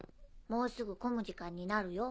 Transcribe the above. もうすぐ混む時間になるよ。